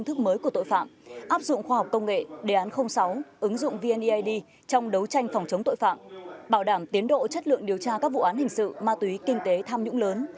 áp dụng khoa học công nghệ đề án sáu ứng dụng vneid trong đấu tranh phòng chống tội phạm bảo đảm tiến độ chất lượng điều tra các vụ án hình sự ma túy kinh tế tham nhũng lớn